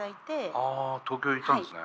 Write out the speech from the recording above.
ああ東京へ行ったんですね。